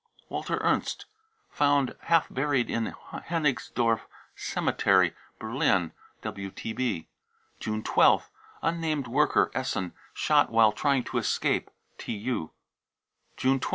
Walter : ERNST, found half buried in Hennigsdorf Gemetery, Berlin. {WTB.) me 1 2th. unnamed worker, Essen, shot " while trying to escape." ( TU